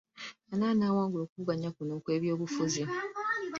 Ani anaawangula okuvuganya kuno okw'ebyobufuzi?